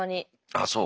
あっそう？